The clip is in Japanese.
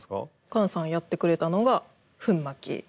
菅さんやってくれたのが粉蒔き。